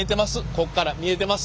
こっから見えてます。